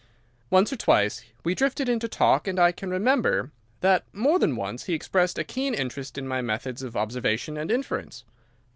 Once or twice we drifted into talk, and I can remember that more than once he expressed a keen interest in my methods of observation and inference.